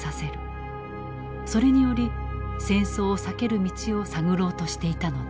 それにより戦争を避ける道を探ろうとしていたのだ。